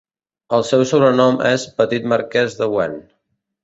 El seu sobrenom és "Petit marquès de Wen".